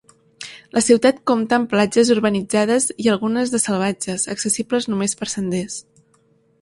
La ciutat compta amb platges urbanitzades i algunes de salvatges, accessibles només per senders.